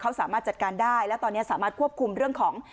เขาสามารถจัดการได้และตอนนี้สามารถควบคุมเรื่องของ